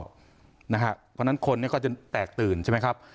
เพราะฉะนั้นคนก็จะแตกตื่นใช่ไหมครับ